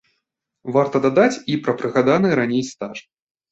Варта дадаць і пра прыгаданы раней стаж.